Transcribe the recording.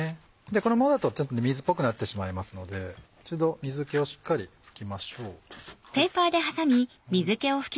このままだとちょっと水っぽくなってしまいますので一度水気をしっかり拭きましょう。